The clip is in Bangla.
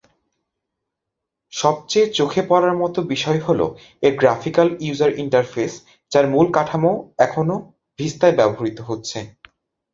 সবচেয়ে চোখে পরার মত বিষয় হল এর গ্রাফিক্যাল ইউজার ইন্টারফেস যার মূল কাঠামো এখনো ভিস্তায় ব্যবহৃত হচ্ছে।